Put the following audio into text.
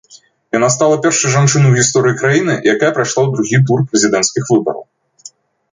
Яна стала першай жанчынай у гісторыі краіны, якая прайшла ў другі тур прэзідэнцкіх выбараў.